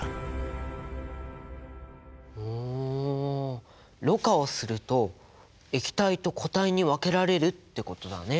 ほうろ過をすると液体と固体に分けられるってことだね。